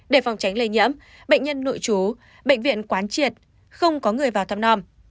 để phòng tránh lây nhiễm bệnh nhân nội trú bệnh viện quán triệt không có người vào thăm nòm